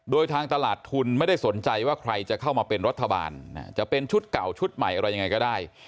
โดยทางตลาดทุนไม่ได้สนใจว่าใครจะเข้ามาเป็นรัฐบาลจะเป็นชุดเก่าชุดใหม่อะไรยังไงก็ได้